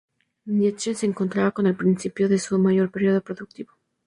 Nietzsche se encontraba en el principio de su mayor período productivo.